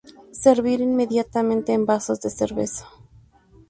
Servir inmediatamente en vasos de cerveza.